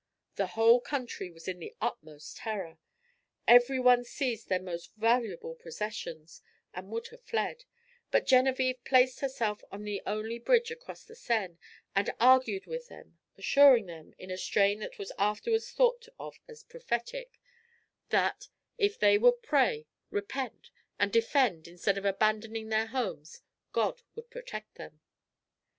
The whole country was in the utmost terror. Every one seized their most valuable possessions, and would have fled; but Genevičve placed herself on the only bridge across the Seine, and argued with them, assuring them, in a strain that was afterwards thought of as prophetic, that, if they would pray, repent, and defend instead of abandoning their homes, God would protect them.